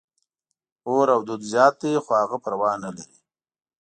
اور او دود زیات دي، خو هغه پروا نه لري.